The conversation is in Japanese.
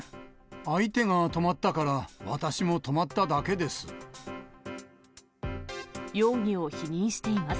相手が止まったから、私も止まっただけです。